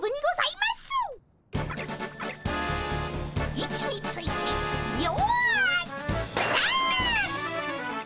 位置についてよいどん！